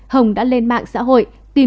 hồng đã lên mạng xã hội tìm